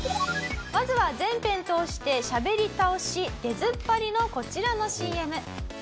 「まずは全編通してしゃべり倒し出ずっぱりのこちらのＣＭ」